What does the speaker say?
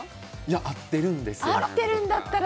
会ってるんですよ。